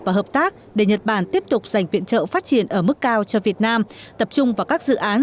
và hợp tác để nhật bản tiếp tục dành viện trợ phát triển ở mức cao cho việt nam tập trung vào các dự án